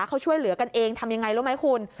เขาช่วยเหลือกันเองทำยังไงรู้ไหมคุณ